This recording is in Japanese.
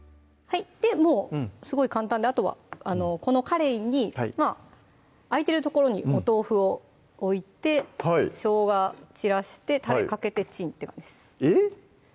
もうすごい簡単であとはこのかれいに空いてる所にお豆腐を置いてしょうが散らしてたれかけてチンって感じですえっ？